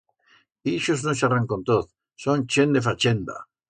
Ixos no charran con toz, son chent de fachenda.